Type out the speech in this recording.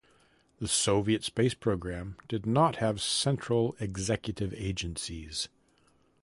The Soviet space program did not have central executive agencies.